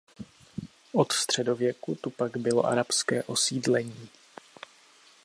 Od středověku tu pak bylo arabské osídlení.